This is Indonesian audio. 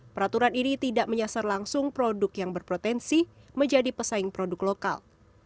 peraturan ini tidak menyasar langsung produk yang berpotensi menjadi pesaing produk lokal